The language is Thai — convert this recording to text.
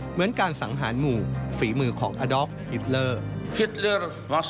เหมือนการสังหารหมู่ฝีมือของอดอฟฮิปเลอร์